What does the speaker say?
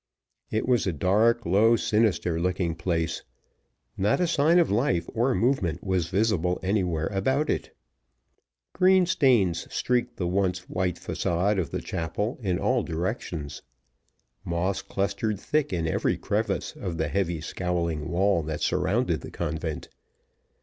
It was a dark, low, sinister looking place. Not a sign of life or movement was visible anywhere about it. Green stains streaked the once white facade of the chapel in all directions. Moss clustered thick in every crevice of the heavy scowling wall that surrounded the convent.